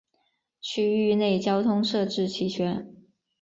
区域内交通设置齐全。